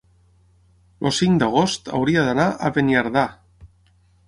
El cinc d'agost hauria d'anar a Beniardà.